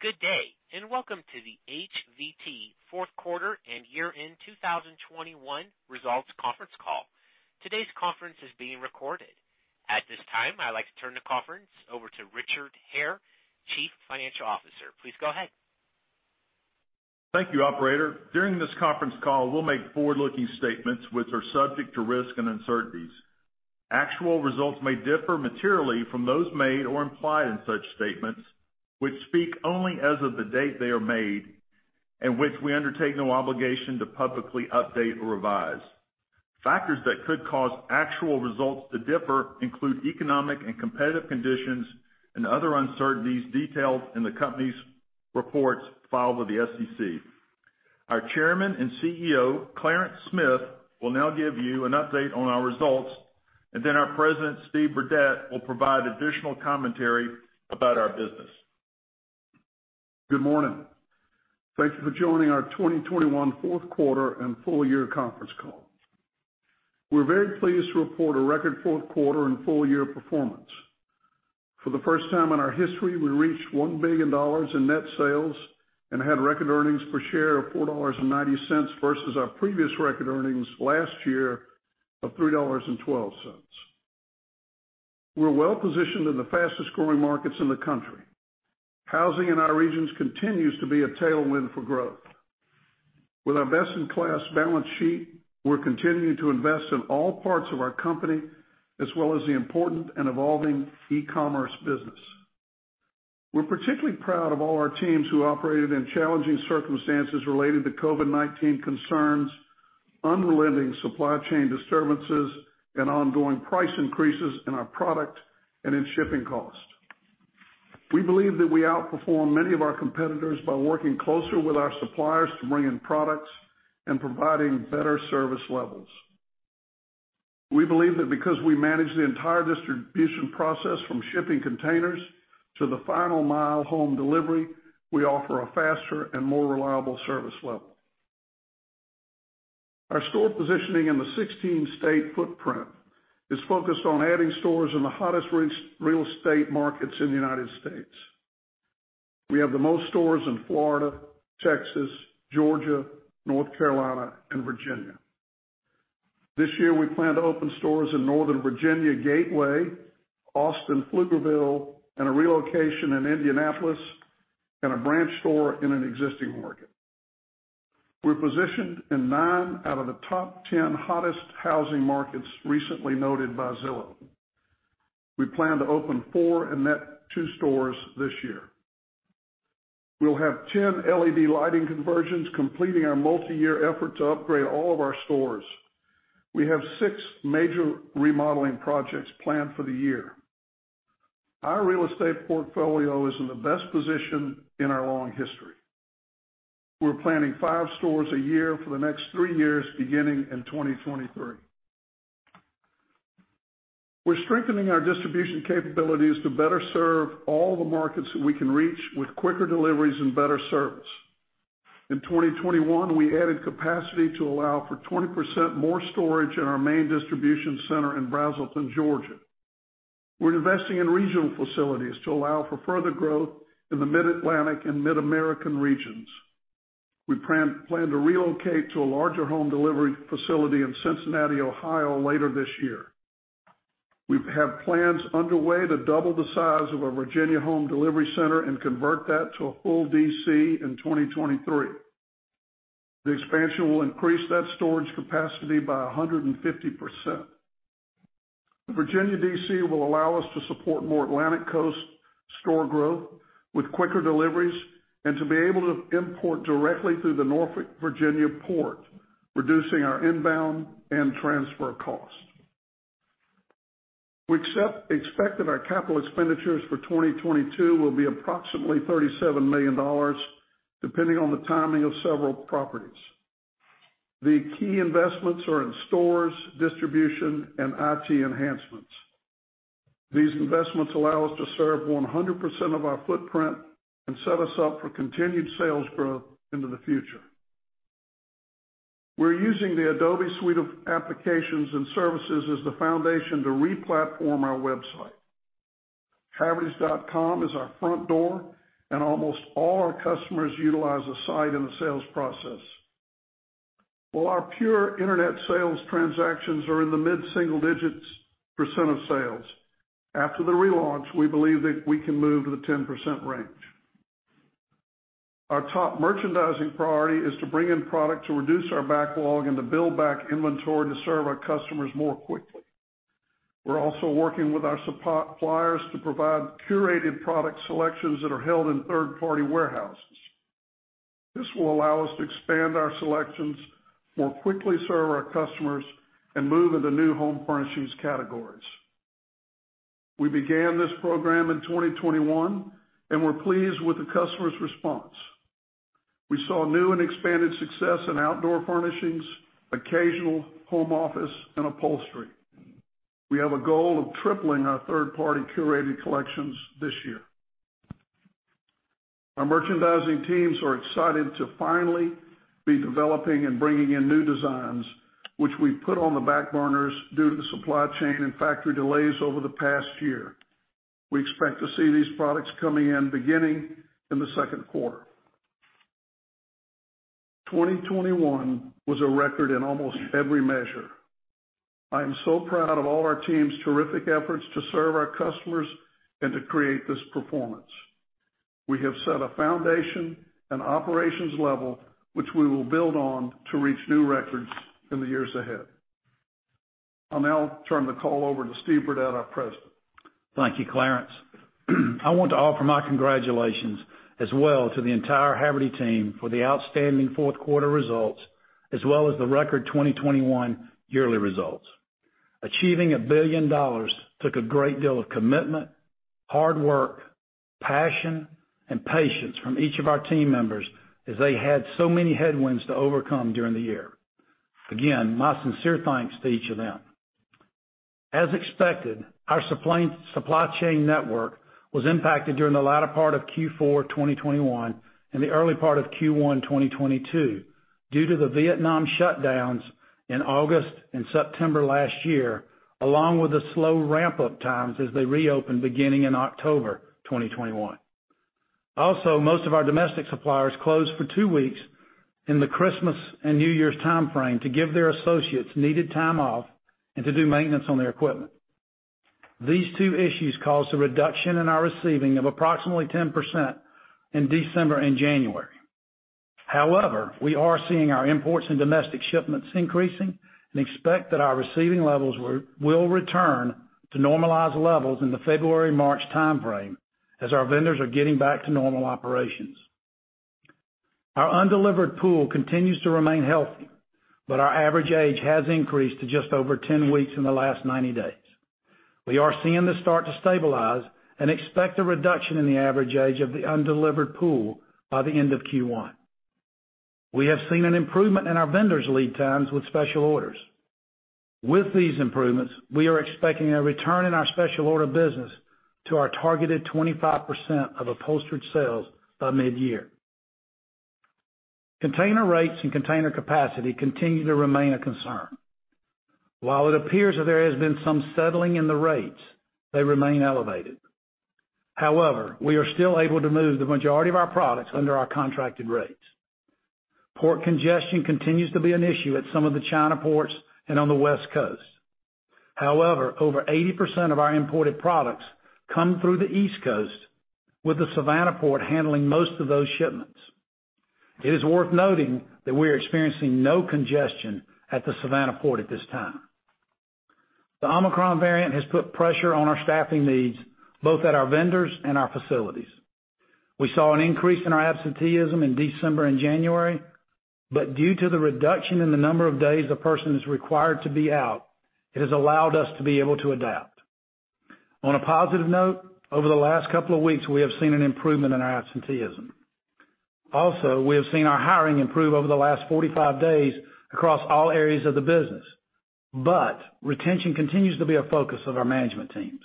Good day, and welcome to the HVT Q4 and Year-End 2021 Results Conference Call. Today's conference is being recorded. At this time, I'd like to turn the conference over to Richard Hare, Chief Financial Officer. Please go ahead. Thank you, operator. During this conference call, we'll make forward-looking statements which are subject to risk and uncertainties. Actual results may differ materially from those made or implied in such statements, which speak only as of the date they are made and which we undertake no obligation to publicly update or revise. Factors that could cause actual results to differ include economic and competitive conditions and other uncertainties detailed in the company's reports filed with the SEC. Our Chairman and CEO, Clarence Smith, will now give you an update on our results, and then our President, Steve Burdette, will provide additional commentary about our business. Good morning. Thank you for joining our 2021 Q4 and full year conference call. We're very pleased to report a record Q4 and full year performance. For the first time in our history, we reached $1 billion in net sales and had record earnings per share of $4.90 versus our previous record earnings last year of $3.12. We're well-positioned in the fastest-growing markets in the country. Housing in our regions continues to be a tailwind for growth. With our best-in-class balance sheet, we're continuing to invest in all parts of our company, as well as the important and evolving e-commerce business. We're particularly proud of all our teams who operated in challenging circumstances related to COVID-19 concerns, unrelenting supply chain disturbances, and ongoing price increases in our product and in shipping costs. We believe that we outperform many of our competitors by working closer with our suppliers to bring in products and providing better service levels. We believe that because we manage the entire distribution process from shipping containers to the final mile home delivery, we offer a faster and more reliable service level. Our store positioning in the 16-state footprint is focused on adding stores in the hottest real estate markets in the United States. We have the most stores in Florida, Texas, Georgia, North Carolina, and Virginia. This year, we plan to open stores in Northern Virginia, Gateway, Austin, Pflugerville, and a relocation in Indianapolis, and a branch store in an existing market. We're positioned in nine out of the top 10 hottest housing markets recently noted by Zillow. We plan to open four and net two stores this year. We'll have 10 LED lighting conversions, completing our multiyear effort to upgrade all of our stores. We have six major remodeling projects planned for the year. Our real estate portfolio is in the best position in our long history. We're planning five stores a year for the next three years, beginning in 2023. We're strengthening our distribution capabilities to better serve all the markets that we can reach with quicker deliveries and better service. In 2021, we added capacity to allow for 20% more storage in our main distribution center in Braselton, Georgia. We're investing in regional facilities to allow for further growth in the Mid-Atlantic and Mid-America regions. We plan to relocate to a larger home delivery facility in Cincinnati, Ohio, later this year. We have plans underway to double the size of our Virginia home delivery center and convert that to a full DC in 2023. The expansion will increase that storage capacity by 150%. The Virginia DC will allow us to support more Atlantic Coast store growth with quicker deliveries and to be able to import directly through the Norfolk, Virginia port, reducing our inbound and transfer costs. We expect that our capital expenditures for 2022 will be approximately $37 million, depending on the timing of several properties. The key investments are in stores, distribution, and IT enhancements. These investments allow us to serve 100% of our footprint and set us up for continued sales growth into the future. We're using the Adobe suite of applications and services as the foundation to re-platform our website. havertys.com is our front door, and almost all our customers utilize the site in the sales process. While our pure internet sales transactions are in the mid-single digits% of sales, after the relaunch, we believe that we can move to the 10% range. Our top merchandising priority is to bring in product to reduce our backlog and to build back inventory to serve our customers more quickly. We're also working with our suppliers to provide curated product selections that are held in third-party warehouses. This will allow us to expand our selections, more quickly serve our customers, and move into new home furnishings categories. We began this program in 2021, and we're pleased with the customer's response. We saw new and expanded success in outdoor furnishings, occasional home office, and upholstery. We have a goal of tripling our third-party curated collections this year. Our merchandising teams are excited to finally be developing and bringing in new designs, which we put on the back burners due to the supply chain and factory delays over the past year. We expect to see these products coming in beginning in the Q2. 2021 was a record in almost every measure. I am so proud of all our team's terrific efforts to serve our customers and to create this performance. We have set a foundation and operations level which we will build on to reach new records in the years ahead. I'll now turn the call over to Steve Burdette, our President. Thank you, Clarence. I want to offer my congratulations as well to the entire Havertys team for the outstanding Q4 results, as well as the record 2021 yearly results. Achieving $1 billion took a great deal of commitment, hard work, passion, and patience from each of our team members as they had so many headwinds to overcome during the year. Again, my sincere thanks to each of them. As expected, our supply chain network was impacted during the latter part of Q4 2021 and the early part of Q1 2022 due to the Vietnam shutdowns in August and September last year, along with the slow ramp-up times as they reopened beginning in October 2021. Most of our domestic suppliers closed for 2 weeks in the Christmas and New Year's timeframe to give their associates needed time off and to do maintenance on their equipment. These two issues caused a reduction in our receiving of approximately 10% in December and January. However, we are seeing our imports and domestic shipments increasing and expect that our receiving levels will return to normalized levels in the February-March timeframe as our vendors are getting back to normal operations. Our undelivered pool continues to remain healthy, but our average age has increased to just over 10 weeks in the last 90 days. We are seeing this start to stabilize and expect a reduction in the average age of the undelivered pool by the end of Q1. We have seen an improvement in our vendors' lead times with special orders. With these improvements, we are expecting a return in our special-order business to our targeted 25% of upholstered sales by mid-year. Container rates and container capacity continue to remain a concern. While it appears that there has been some settling in the rates, they remain elevated. However, we are still able to move the majority of our products under our contracted rates. Port congestion continues to be an issue at some of the China ports and on the West Coast. However, over 80% of our imported products come through the East Coast, with the Savannah port handling most of those shipments. It is worth noting that we are experiencing no congestion at the Savannah port at this time. The Omicron variant has put pressure on our staffing needs, both at our vendors and our facilities. We saw an increase in our absenteeism in December and January, but due to the reduction in the number of days a person is required to be out, it has allowed us to be able to adapt. On a positive note, over the last couple of weeks, we have seen an improvement in our absenteeism. Also, we have seen our hiring improve over the last 45 days across all areas of the business, but retention continues to be a focus of our management teams.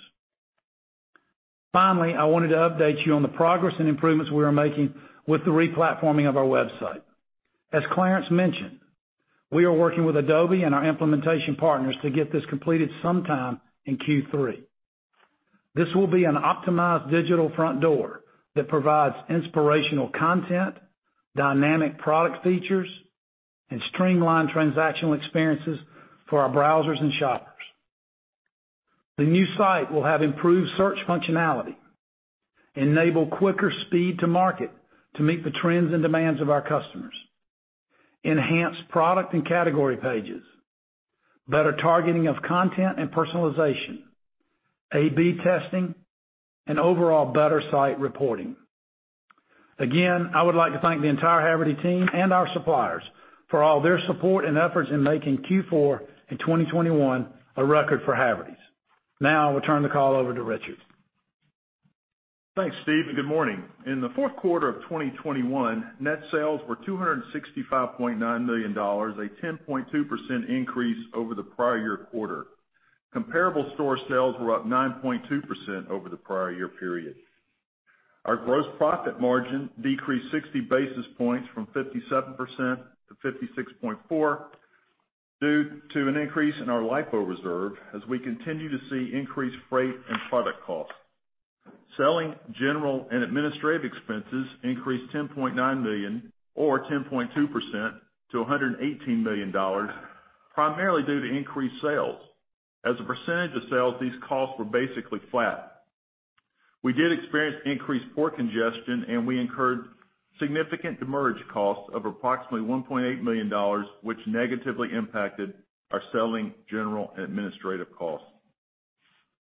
Finally, I wanted to update you on the progress and improvements we are making with the replatforming of our website. As Clarence mentioned, we are working with Adobe and our implementation partners to get this completed sometime in Q3. This will be an optimized digital front door that provides inspirational content, dynamic product features, and streamlined transactional experiences for our browsers and shoppers. The new site will have improved search functionality, enable quicker speed to market to meet the trends and demands of our customers, enhance product and category pages, better targeting of content and personalization, A/B testing, and overall better site reporting. Again, I would like to thank the entire Havertys team and our suppliers for all their support and efforts in making Q4 and 2021 a record for Havertys. Now I will turn the call over to Richard. Thanks, Steve, and good morning. In the Q4 of 2021, net sales were $265.9 million, a 10.2% increase over the prior year quarter. Comparable store sales were up 9.2% over the prior year period. Our gross profit margin decreased 60 basis points from 57% to 56.4%, due to an increase in our LIFO reserve as we continue to see increased freight and product costs. Selling, general, and administrative expenses increased $10.9 million or 10.2% to $118 million, primarily due to increased sales. As a percentage of sales, these costs were basically flat. We did experience increased port congestion, and we incurred significant demurrage costs of approximately $1.8 million, which negatively impacted our selling, general, and administrative costs.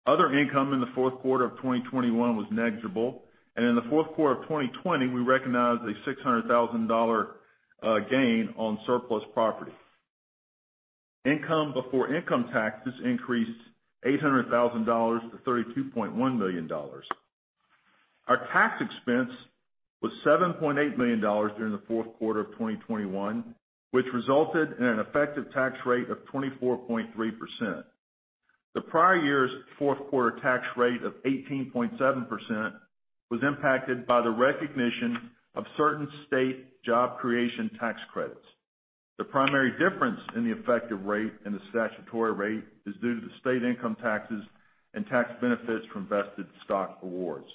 Other income in the Q4 of 2021 was negligible, and in the Q4 of 2020, we recognized a $600,000 gain on surplus property. Income before income taxes increased $800,000 to $32.1 million. Our tax expense was $7.8 million during the Q4 of 2021, which resulted in an effective tax rate of 24.3%. The prior year's Q4 tax rate of 18.7% was impacted by the recognition of certain state job creation tax credits. The primary difference in the effective rate and the statutory rate is due to the state income taxes and tax benefits from vested stock awards.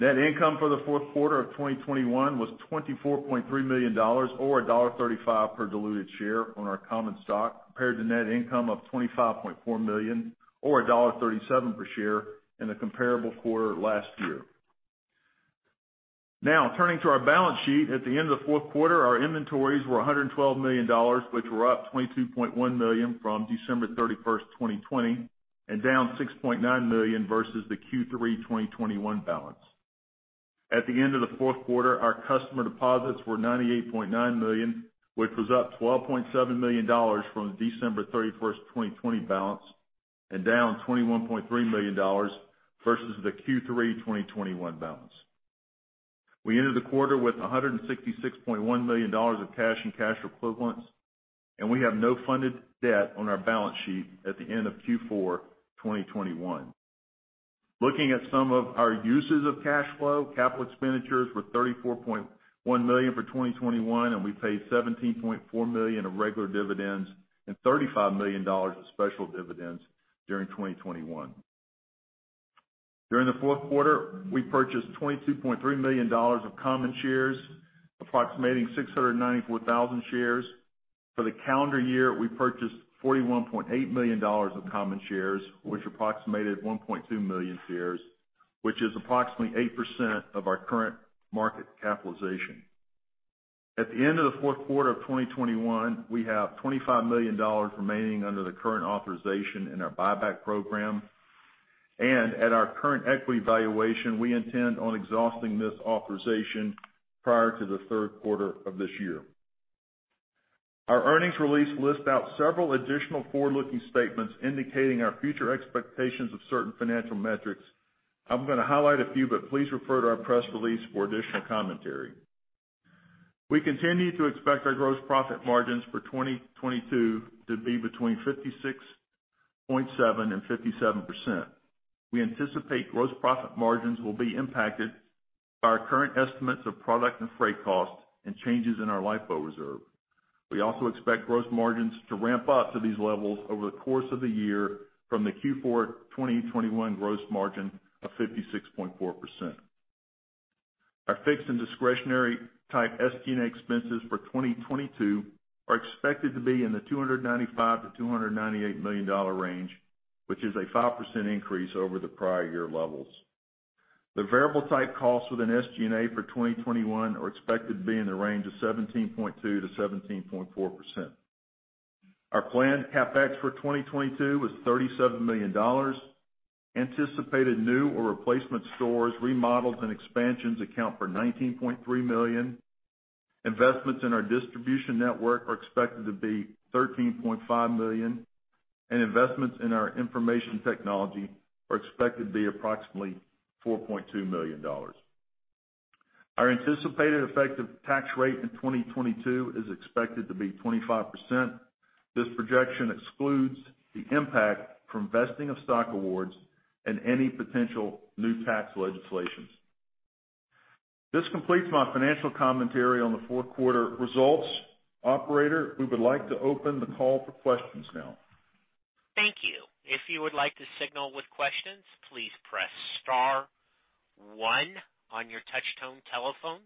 Net income for the Q4 of 2021 was $24.3 million or $1.35 per diluted share on our common stock, compared to net income of $25.4 million or $1.37 per share in the comparable quarter last year. Now, turning to our balance sheet. At the end of the Q4, our inventories were $112 million, which were up $22.1 million from December 31, 2020, and down $6.9 million versus the Q3 2021 balance. At the end of the Q4, our customer deposits were $98.9 million, which was up $12.7 million from the December 31st, 2020 balance and down $21.3 million versus the Q3 2021 balance. We ended the quarter with $166.1 million of cash and cash equivalents, and we have no funded debt on our balance sheet at the end of Q4 2021. Looking at some of our uses of cash flow, capital expenditures were $34.1 million for 2021, and we paid $17.4 million of regular dividends and $35 million of special dividends during 2021. During the Q4, we purchased $22.3 million of common shares, approximating 694,000 shares. For the calendar year, we purchased $41.8 million of common shares, which approximated 1.2 million shares, which is approximately 8% of our current market capitalization. At the end of the Q4 of 2021, we have $25 million remaining under the current authorization in our buyback program. At our current equity valuation, we intend on exhausting this authorization prior to the Q3 of this year. Our earnings release lists out several additional forward-looking statements indicating our future expectations of certain financial metrics. I'm gonna highlight a few, but please refer to our press release for additional commentary. We continue to expect our gross profit margins for 2022 to be between 56.7% and 57%. We anticipate gross profit margins will be impacted by our current estimates of product and freight costs and changes in our LIFO reserve. We also expect gross margins to ramp up to these levels over the course of the year from the Q4 2021 gross margin of 56.4%. Our fixed and discretionary type SG&A expenses for 2022 are expected to be in the $295 to 298 million range, which is a 5% increase over the prior year levels. The variable-type costs within SG&A for 2021 are expected to be in the range of 17.2% to 17.4%. Our planned CapEx for 2022 was $37 million. Anticipated new or replacement stores, remodels, and expansions account for $19.3 million. Investments in our distribution network are expected to be $13.5 million, and investments in our information technology are expected to be approximately $4.2 million. Our anticipated effective tax rate in 2022 is expected to be 25%. This projection excludes the impact from vesting of stock awards and any potential new tax legislations. This completes my financial commentary on the Q4 results. Operator, we would like to open the call for questions now. Thank you. If you would like to signal with questions, please press star one on your touchtone telephone.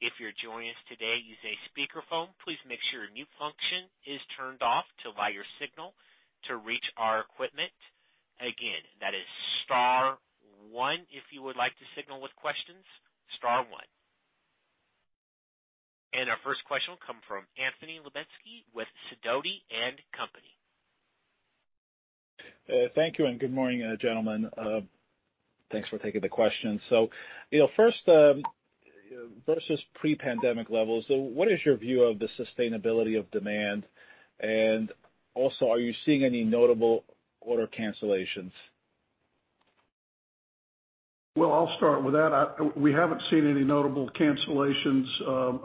If you're joining us today using a speakerphone, please make sure your mute function is turned off to allow your signal to reach our equipment. Again, that is star one if you would like to signal with questions, star one. Our first question will come from Anthony Lebiedzinski with Sidoti & Company. Thank you, and good morning, gentlemen. Thanks for taking the question. You know, first, versus pre-pandemic levels, so what is your view of the sustainability of demand? And also, are you seeing any notable order cancellations? Well, I'll start with that. We haven't seen any notable cancellations.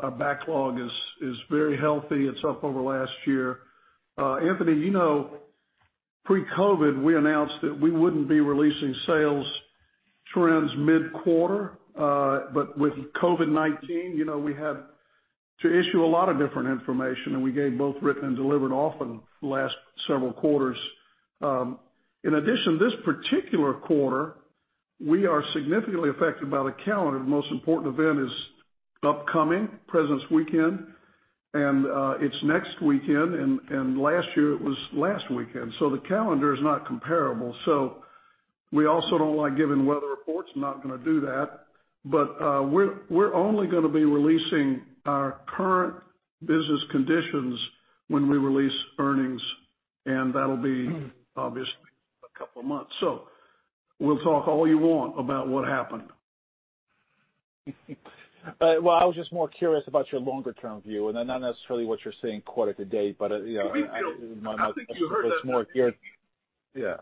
Our backlog is very healthy. It's up over last year. Anthony, you know, pre-COVID, we announced that we wouldn't be releasing sales trends mid-quarter, but with COVID-19, you know, we had to issue a lot of different information, and we gave both written and delivered often the last several quarters. In addition, this particular quarter, we are significantly affected by the calendar. The most important event is upcoming, Presidents' Day, and it's next weekend, and last year it was last weekend. The calendar is not comparable. We also don't like giving weather reports. I'm not going to do that. We're only going to be releasing our current business conditions when we release earnings, and that'll be obviously a couple of months. We'll talk all you want about what happened. Well, I was just more curious about your longer-term view, and then not necessarily what you're seeing quarter to date, but you know. We feel- It's more geared- I think you heard that. Yeah.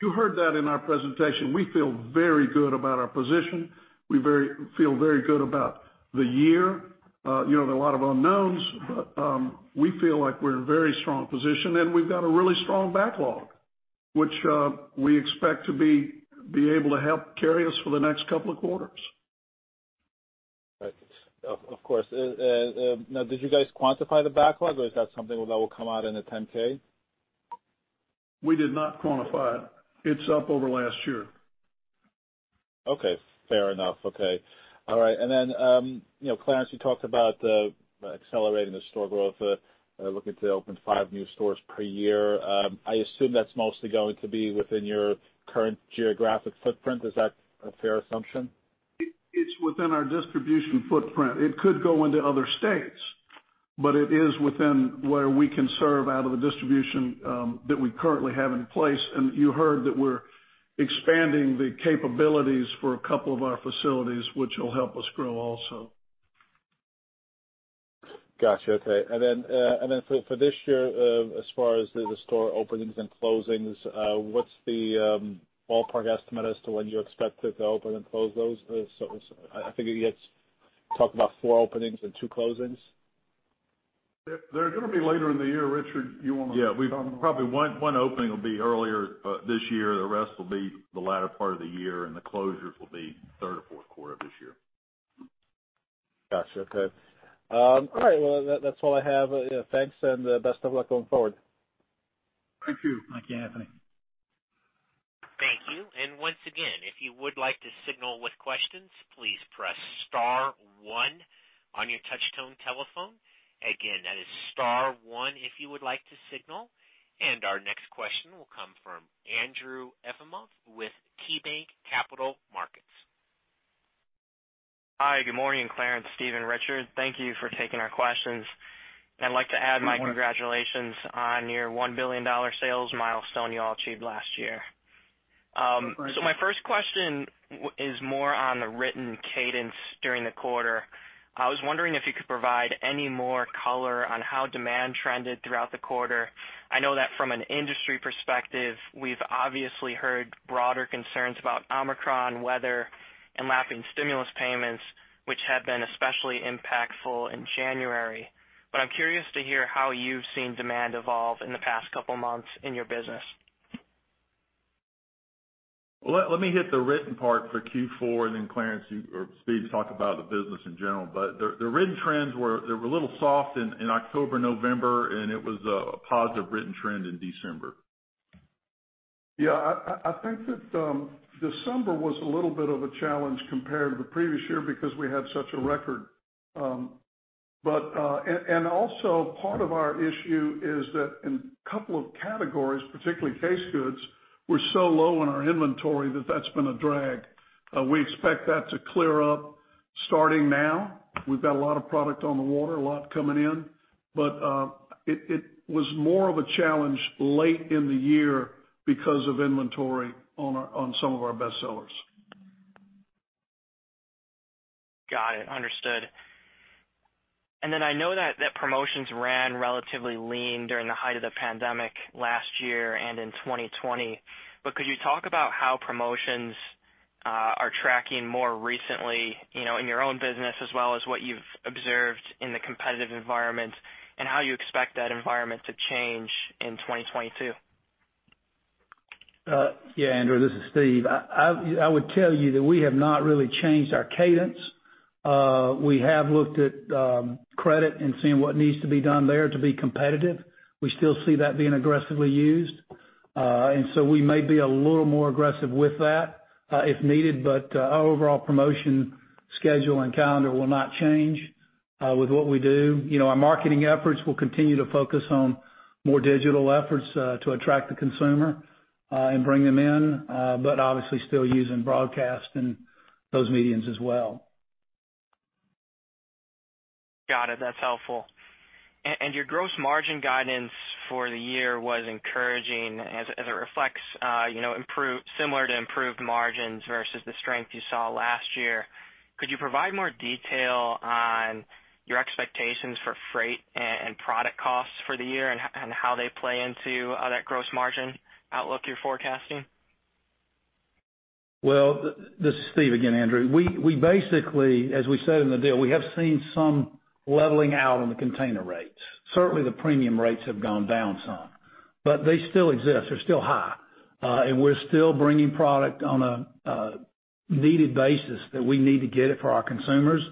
You heard that in our presentation. We feel very good about our position. We feel very good about the year. You know, there are a lot of unknowns, but we feel like we're in a very strong position, and we've got a really strong backlog, which we expect to be able to help carry us for the next couple of quarters. Right. Of course. Now did you guys quantify the backlog or is that something that will come out in the 10-K? We did not quantify it. It's up over last year. Okay, fair enough. Okay. All right. You know, Clarence, you talked about accelerating the store growth, looking to open five new stores per year. I assume that's mostly going to be within your current geographic footprint. Is that a fair assumption? It's within our distribution footprint. It could go into other states, but it is within where we can serve out of the distribution that we currently have in place. You heard that we're expanding the capabilities for a couple of our facilities, which will help us grow also. Got you. Okay. For this year, as far as the store openings and closings, what's the ballpark estimate as to when you expect to open and close those? I think you guys talked about four openings and two closings. They're going to be later in the year. Richard, you want to comment? Yeah. We've probably one opening will be earlier this year. The rest will be the latter part of the year, and the closures will be third or Q4 of this year. Got you. Okay. All right, well that's all I have. Thanks, and best of luck going forward. Thank you. Thank you, Anthony. Thank you. Once again, if you would like to signal with questions, please press star one on your touch tone telephone. Again, that is star one if you would like to signal. Our next question will come from Andrew Efimoff with KeyBanc Capital Markets. Hi, good morning, Clarence, Steve, and Richard. Thank you for taking our questions. I'd like to add my congratulations on your $1 billion sales milestone you all achieved last year. My first question is more on the written cadence during the quarter. I was wondering if you could provide any more color on how demand trended throughout the quarter. I know that from an industry perspective, we've obviously heard broader concerns about Omicron, weather, and lapping stimulus payments, which have been especially impactful in January. I'm curious to hear how you've seen demand evolve in the past couple of months in your business. Let me hit the written part for Q4, and then Clarence, you or Steve, talk about the business in general. The written trends were a little soft in October, November, and it was a positive written trend in December. Yeah, I think that December was a little bit of a challenge compared to the previous year because we had such a record. Also, part of our issue is that in a couple of categories, particularly case goods, we're so low on our inventory that that's been a drag. We expect that to clear up starting now. We've got a lot of product on the water, a lot coming in. It was more of a challenge late in the year because of inventory on some of our best sellers. Got it. Understood. I know that promotions ran relatively lean during the height of the pandemic last year and in 2020. Could you talk about how promotions are tracking more recently, you know, in your own business as well as what you've observed in the competitive environment, and how you expect that environment to change in 2022? Andrew. This is Steve. I would tell you that we have not really changed our cadence. We have looked at credit and seeing what needs to be done there to be competitive. We still see that being aggressively used. We may be a little more aggressive with that, if needed. Our overall promotion schedule and calendar will not change with what we do. You know, our marketing efforts will continue to focus on more digital efforts to attract the consumer and bring them in, but obviously still using broadcast and those media as well. Got it. That's helpful. Your gross margin guidance for the year was encouraging as it reflects, you know, similar to improved margins versus the strength you saw last year. Could you provide more detail on your expectations for freight and product costs for the year and how they play into that gross margin outlook you're forecasting? Well, this is Steve again, Andrew. We basically, as we said in the deal, have seen some leveling out on the container rates. Certainly, the premium rates have gone down some, but they still exist. They're still high. We're still bringing product on a needed basis that we need to get it for our consumers,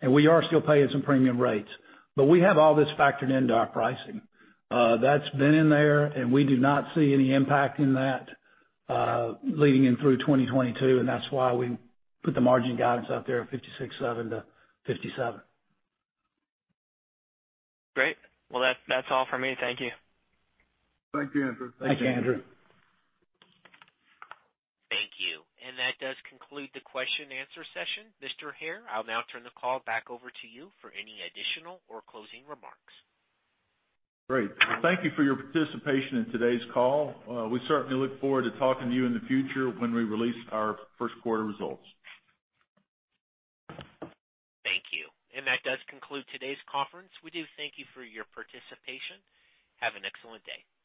and we are still paying some premium rates. We have all this factored into our pricing. That's been in there, and we do not see any impact in that leading in through 2022, and that's why we put the margin guidance out there at 56.7% to 57%. Great. Well, that's all for me. Thank you. Thank you, Andrew. Thank you, Andrew. Thank you. That does conclude the question and answer session. Mr. Hare, I'll now turn the call back over to you for any additional or closing remarks. Great. Thank you for your participation in today's call. We certainly look forward to talking to you in the future when we release our Q1 results. Thank you. That does conclude today's conference. We do thank you for your participation. Have an excellent day.